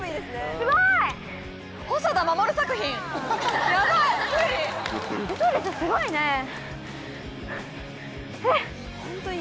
⁉すごいね！